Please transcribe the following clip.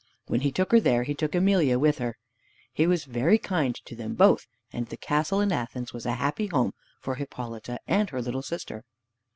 When he took her there, he took Emelia with her. He was very kind to them both, and the castle in Athens was a happy home for Hippolyta and her little sister.